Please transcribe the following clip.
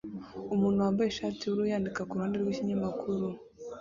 Umuntu wambaye ishati yubururu yandika kuruhande rwikinyamakuru